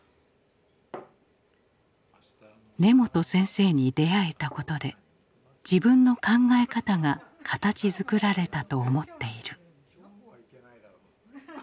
根本先生に出会えたことで自分の考え方が形づくられたと思っている。